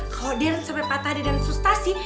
kalo dieren sampai patah ada dan sustasi